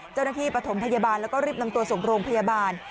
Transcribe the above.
ปฐมพยาบาลแล้วก็รีบนำตัวส่งโรงพยาบาล